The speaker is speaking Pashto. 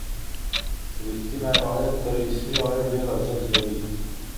ریښتینی عاید تر اسمي عاید ډېر ارزښت لري.